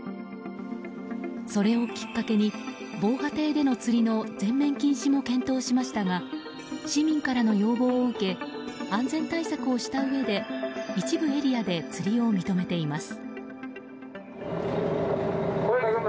それをきっかけに防波堤での釣りの全面禁止も検討しましたが市民からの要望を受け安全対策をしたうえで一部エリアで釣りを認めています。